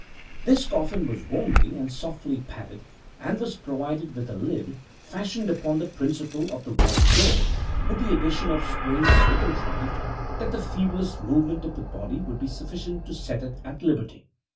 This coffin was warmly and softly padded, and was provided with a lid, fashioned upon the principle of the vault door, with the addition of springs so contrived that the feeblest movement of the body would be sufficient to set it at liberty.